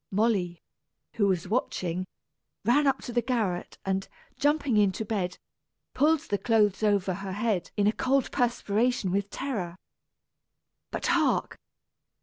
Molly, who was watching, ran up to the garret and, jumping into bed, pulled the clothes over her head in a cold perspiration with terror. But hark!